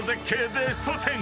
ベスト１０。